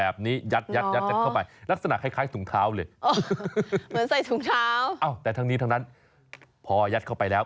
เอ้าแต่ทั้งนี้ทั้งนั้นพอยัดเข้าไปแล้ว